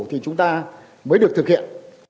thì chúng ta mới được thực hiện